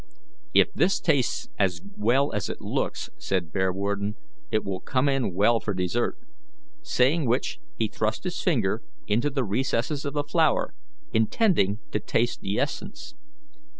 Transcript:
"If this tastes as well as it looks," said Bearwarden, "it will come in well for dessert"; saying which he thrust his finger into the recesses of the flower, intending to taste the essence.